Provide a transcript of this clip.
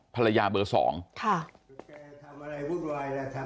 ภรรยาเบอร์๒เลยไม่ได้ละ